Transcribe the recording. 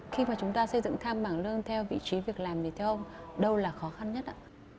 khi mà chúng ta xây dựng tham mảng lương theo vị trí việc làm thì theo ông đâu là khó khăn nhất ạ